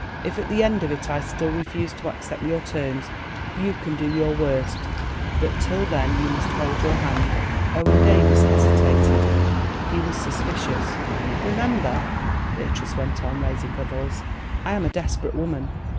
If at the end of it I still refuse to accept your terms, you can do your worst, but till then you must hold your hand." Owen Davies hesitated; he was suspicious. "Remember," Beatrice went on, raising her voice, "I am a desperate woman.